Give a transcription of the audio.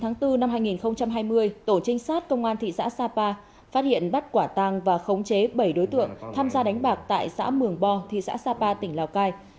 ngày bốn hai nghìn hai mươi tổ trinh sát công an thị xã sapa phát hiện bắt quả tàng và khống chế bảy đối tượng tham gia đánh bạc tại xã mường bo thị xã sapa tỉnh lào cai